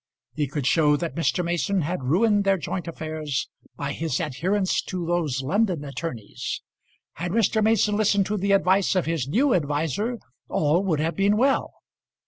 He could show that Mr. Mason had ruined their joint affairs by his adherence to those London attorneys. Had Mr. Mason listened to the advice of his new adviser all would have been well.